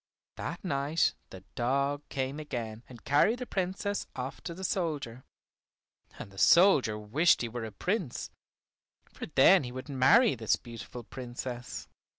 That night the dog came again and carried the Princess off to the soldier, and the soldier wished he were a Prince, for then he would marry this beautiful Princess.